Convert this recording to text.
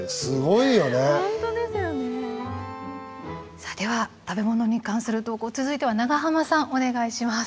さあでは食べ物に関する投稿続いては長濱さんお願いします。